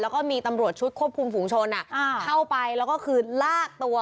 แล้วก็มีตำรวจชุดควบคุมฝุงชนเข้าไปแล้วก็คือลากตัว